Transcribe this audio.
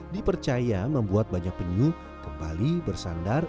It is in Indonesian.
dipercaya membuat banyak penyu kembali bersandar